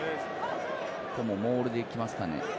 モールでいきますかね。